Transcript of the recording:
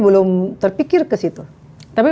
belum terpikir ke situ tapi